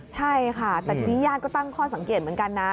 ใช่ค่ะแต่ทีนี้ญาติก็ตั้งข้อสังเกตเหมือนกันนะ